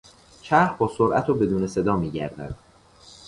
چرخ با سرعت و بدون صدا میگردد.